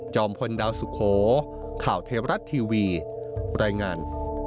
พลดาวสุโขข่าวเทวรัฐทีวีรายงาน